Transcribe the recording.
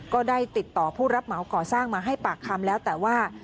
ก็ได้ติดต่อผู้รับเหมาก่อสร้างมาให้ปากคำแล้วแต่ว่า